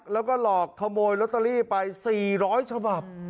แล้วก็หลอกขโมยลอตเตอรี่ไป๔๐๐ฉบับ